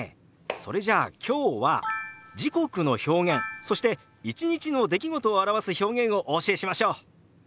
それじゃあ今日は時刻の表現そして１日の出来事を表す表現をお教えしましょう！